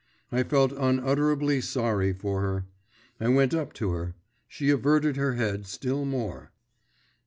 I felt unutterably sorry for her. I went up to her. She averted her head still more.